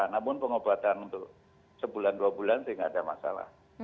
namun pengobatan untuk sebulan dua bulan sih nggak ada masalah